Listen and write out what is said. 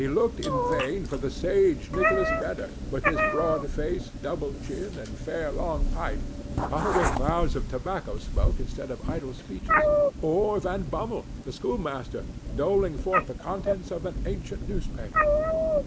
He looked in vain for the sage Nicholas Vedder, with his broad face, double chin, and fair long pipe, uttering clouds of tobacco smoke instead of idle speeches; or Van Bummel, the schoolmaster, doling forth the contents of an ancient newspaper.